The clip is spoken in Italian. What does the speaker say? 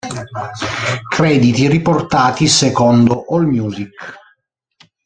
Crediti riportati secondo Allmusic.